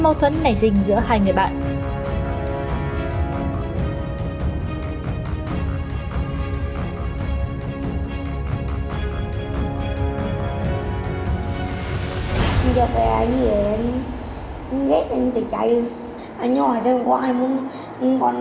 còn anh bây giờ sao